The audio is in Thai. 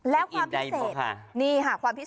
แล้วความพิเศษนี่ค่าะ